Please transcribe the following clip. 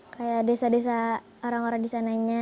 kayak desa desa orang orang di sananya